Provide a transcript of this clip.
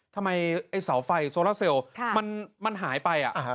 ทำไมไอ้เสาไฟโซลาเซลค่ะมันมันหายไปอ่ะอ่า